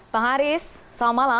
bang haris selamat malam